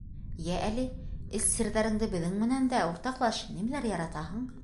Йә әле, эс серҙәреңде беҙҙең менән дә уртаҡлаш, нимәләр яратаһың?